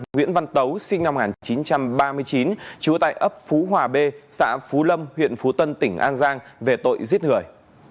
nguyễn văn tấu sinh năm một nghìn chín trăm ba mươi chín trú tại ấp phú hòa b xã phú lâm huyện phú tân tỉnh an giang về tội giết người